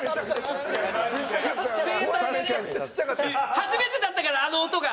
初めてだったからあの音が。